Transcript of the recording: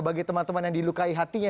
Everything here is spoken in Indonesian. bagi teman teman yang dilukai hatinya